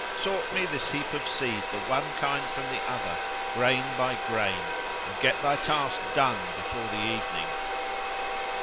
Sort me this heap of seed, the one kind from the others, grain by grain; and get thy task done before the evening."